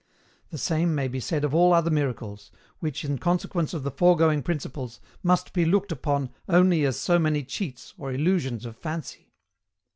The same may be said of all other miracles; which, in consequence of the foregoing principles, must be looked upon only as so many cheats, or illusions of fancy.